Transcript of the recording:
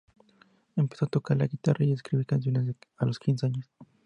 Empezó a tocar la guitarra y a escribir canciones a los quince años.